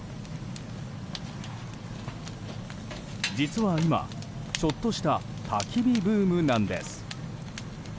実は今ちょっとしたたき火ブームなんです。